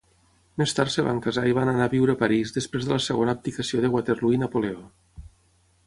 Més tard es van casar i van anar a viure a París després de la segona abdicació de Waterloo i Napoleó.